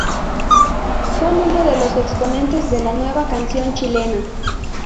Son uno de los exponentes de la Nueva Canción Chilena.